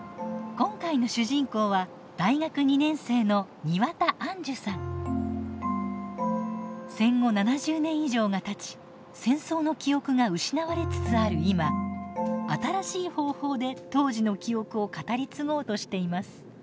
今回の主人公は大学２年生の戦後７０年以上がたち戦争の記憶が失われつつある今新しい方法で当時の記憶を語り継ごうとしています。